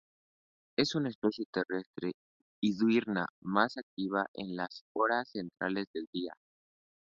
Es una especie terrestre y diurna, más activa en las horas centrales del día.